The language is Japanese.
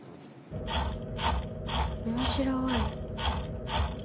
面白い。